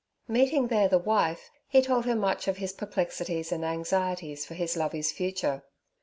Meeting there the wife, he told her much of his perplexities and anxieties for his Lovey's future.